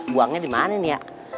buangnya dimana ini ya